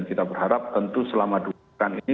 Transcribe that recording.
kita berharap tentu selama dua pekan ini